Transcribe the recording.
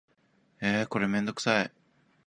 えーこれめんどくさい